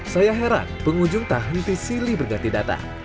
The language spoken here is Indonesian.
saya heran pengunjung tak henti silih berganti data